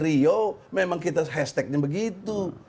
kalau di rio memang kita hashtagnya begitu